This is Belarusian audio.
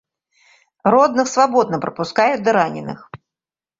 Родных свабодна прапускаюць да раненых.